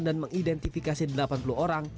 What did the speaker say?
dan mengidentifikasi delapan puluh orang